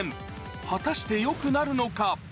果たしてよくなるのか。